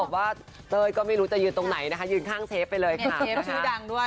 ว่าเต้อยไม่รู้จะยืนตรงไหนนะคะเดินข้างเชฟไปเลยค่ะ